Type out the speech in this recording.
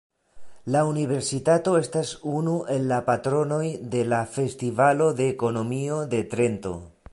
La universitato estas unu el la patronoj de la Festivalo de Ekonomio de Trento.